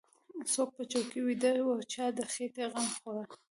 څوک په چوکۍ ويده و چا د خېټې غم خوړ.